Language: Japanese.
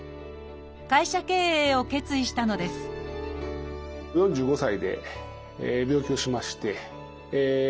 会社経営を決意したのですチョイス！